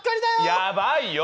やばいよ。